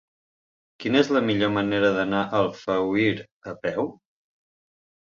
Quina és la millor manera d'anar a Alfauir a peu?